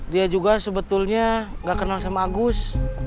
dia juga sebetulnya gak kenal sama agus